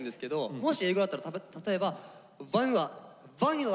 もし英語だったら例えば。